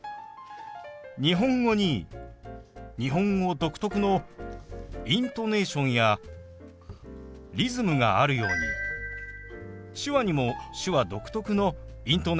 日本語に日本語独特のイントネーションやリズムがあるように手話にも手話独特のイントネーションやリズムがあります。